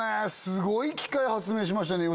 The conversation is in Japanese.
スゴい機械発明しましたね